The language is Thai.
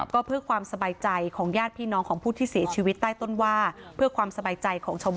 ก็เพื่อความสบายใจของหญ้าพี่น้องของผู้ที่เสียชีวิตใด้ต้นว่า